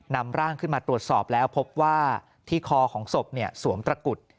นำร่างขึ้นมาตรวจสอบแล้วพบว่าที่คอของศพสวมตระกุด